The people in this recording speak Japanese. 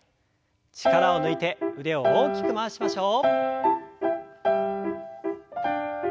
力を抜いて腕を大きく回しましょう。